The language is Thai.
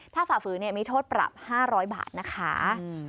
ถ้าฝ่าฝืนมีโทษปรับ๕๐๐บาทนะคะ